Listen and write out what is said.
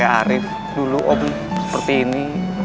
arief dulu om seperti ini